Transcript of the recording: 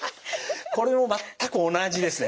これも全く同じですね。